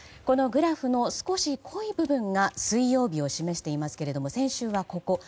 このグラフの少し濃い部分が水曜日を示していますけれども先週は、ここ。